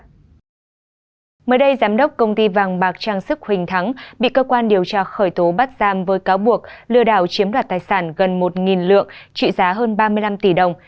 mới đây giám đốc công ty vàng bạc trang sức huỳnh thắng bị cơ quan điều tra khởi tố bắt giam với cáo buộc lừa đảo chiếm đoạt tài sản gần một lượng trị giá hơn ba mươi năm tỷ đồng